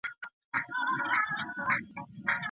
د لاس لیکنه د مطالعې د کیفیت معیار دی.